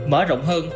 mở rộng hơn